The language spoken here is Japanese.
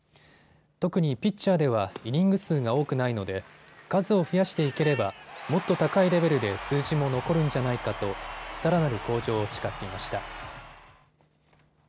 特にピッチャーではイニング数が多くないので数を増やしていければもっと高いレベルで数字も残るんじゃないかとさらなる向上を誓っていました。